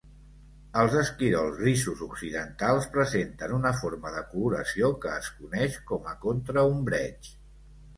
Els esquirols grisos occidentals presenten una forma de coloració que es coneix com a contraombreig.